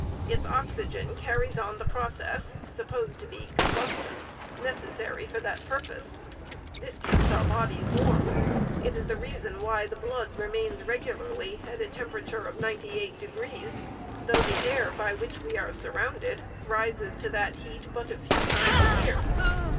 Its oxygen carries on the process (supposed to be combustion) necessary for that purpose. This keeps our bodies warm. It is the reason why the blood remains regularly at a temperature of ninety eight degrees, though the air by which we are surrounded rises to that heat but a few times in a year.